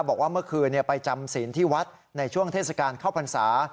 บอกว่าเมื่อคืนไปจำศีลที่วัดในช่วงเทศกาลเข้าพรรษา